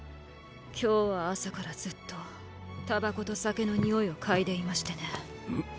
今日は朝からずっと煙草と酒の臭いを嗅いでいましてね。